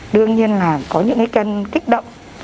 đương nhiên là có những cái cân kích động